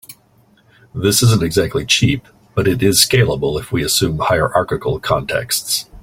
This isn't exactly cheap, but it is scalable if we assume hierarchical contexts.